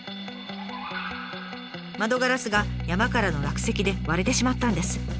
窓ガラスが山からの落石で割れてしまったんです。